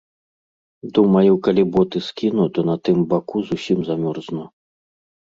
Думаю, калі боты скіну, то на тым баку зусім замёрзну.